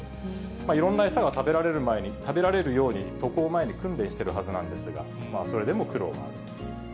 いろんな餌が食べられるように渡航前に訓練してるはずなんですが、それでも苦労があると。